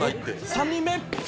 「３人目」